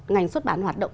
ngành xuất bản hoạt động